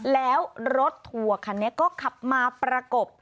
แล้วรถทัวร์คันนี้ก็ขับมาประกบ